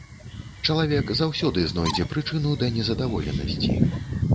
Чалавек заўсёды знойдзе прычыну да незадаволенасці.